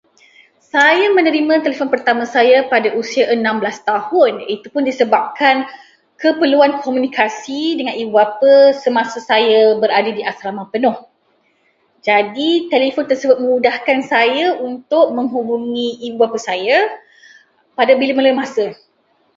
Saya menerima telefon pertama pada usia enam belas tahun. Itu pun disebabkan keperluan komunikasi dengan ibu bapa semasa saya berada di asrama penuh. Jadi, telefon tersebut memudahkan saya untuk menghubungi ibu bapa saya pada bila-bila masa.